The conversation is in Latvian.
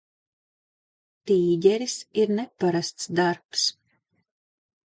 "Tīģeris" ir neparasts darbs.